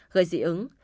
gây dị ứng